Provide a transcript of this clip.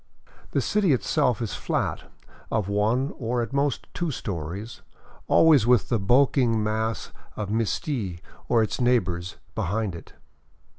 The city itself is flat, of one, or at most two stories, always with the bulking mass of Misti or its neighbors behind it.